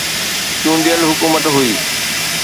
چونڊيل حڪومت هئي.